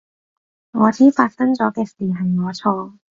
我知發生咗嘅事係我錯